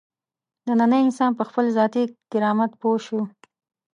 نننی انسان په خپل ذاتي کرامت پوه شوی.